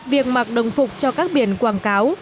việc mặc đồng phục cho các biển quảng cáo